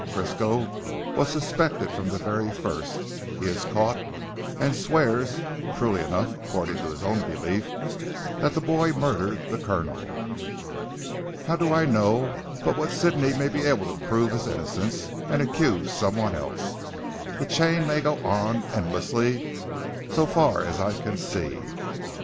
Frisco was suspected from the very first. He is caught and swears truly enough according to his own belief, that the boy murdered the Colonel. How do I know but what Sidney may be able to prove his innocence, and accuse someone else. The chain may go on endlessly so far as I can see."